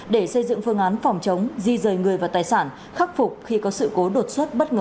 để xây dựng phương án phòng chống di rời người và tài sản khắc phục khi có sự cố đột xuất bất ngờ